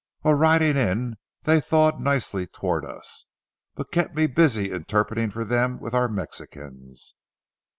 While riding in, they thawed nicely towards us, but kept me busy interpreting for them with our Mexicans.